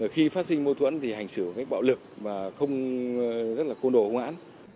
rồi khi phát sinh mâu thuẫn thì hành xử bạo lực mà không rất là côn đồ không án